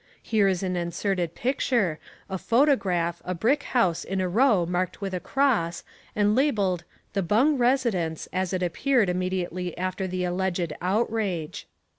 Here is an inserted picture, a photograph, a brick house in a row marked with a cross (+) and labelled "The Bung Residence as. it appeared immediately after the alleged outrage."